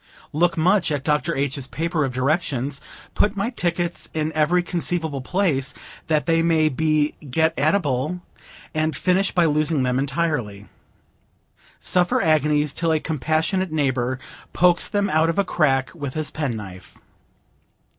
Look much at Dr. H.'s paper of directions put my tickets in every conceivable place, that they may be get at able, and finish by losing them entirely. Suffer agonies till a compassionate neighbor pokes them out of a crack with his pen knife.